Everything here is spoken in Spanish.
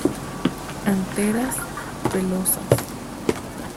Anteras; pelosas.